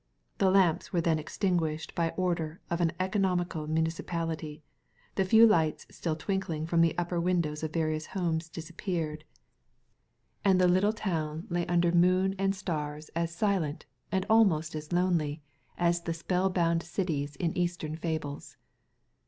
The lamps were then extin guished by order of an economical municipality, the few lights still twinkling from the upper windows of various houses disappeared, and the little town lay Digitized by Google 2 THE LADy FROM NOWHERE under moon and stars as silent and almost as lonely as the spell bound cities in eastern fables.